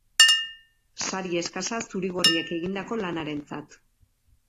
Sari eskasa zuri-gorriek egindako lanarentzat.